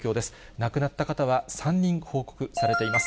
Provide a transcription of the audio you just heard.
亡くなった方は３人報告されています。